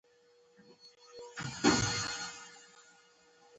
باز خپل ښکار ژر وژني